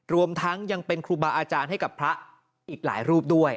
รวมทั้งยังเป็นครูบาอาจารย์ให้กับพระอีกหลายรูปด้วย